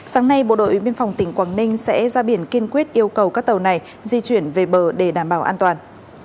sáng nay bộ đội biên phòng tỉnh quảng ninh sẽ ra biển kiên quyết yêu cầu các tàu này di chuyển về bờ để đảm bảo an toàn